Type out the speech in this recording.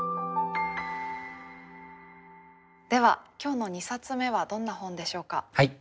では今日の２冊目はどんな本でしょうか？